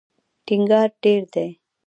ټینګار ډېر دی.